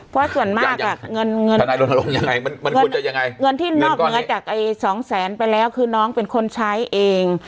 เพราะส่วนมากอะเงินที่นอกเหนือจากใหม่๒แสนน้องเป็นคนใช้เอง